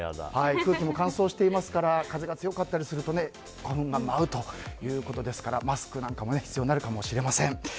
空気も乾燥しているので風が強かったりすると花粉が舞うということですからマスクも必要になるかもしれません。